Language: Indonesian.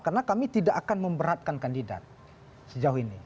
karena kami tidak akan memberatkan kandidat sejauh ini